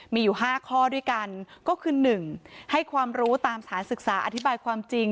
มีอยู่๕ข้อด้วยกันก็คือ๑ให้ความรู้ตามสถานศึกษาอธิบายความจริง